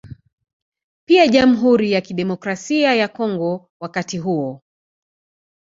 Pia Jamhuri ya Kidemokrasia ya Kongo wakati huo